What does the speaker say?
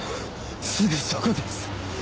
すぐそこです。